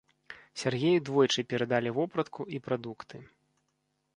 Сяргею двойчы перадалі вопратку і прадукты.